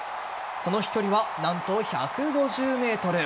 その飛距離は、何と１５０ｍ。